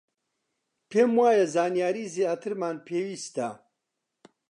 پێم وایە زانیاریی زیاترمان پێویستە.